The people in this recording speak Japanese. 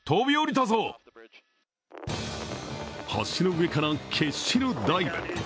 橋の上から決死のダイブ。